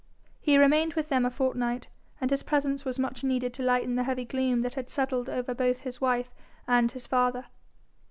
He remained with them a fortnight, and his presence was much needed to lighten the heavy gloom that had settled over both his wife and his father.